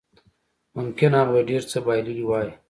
ممکن هغه به ډېر څه بایللي وای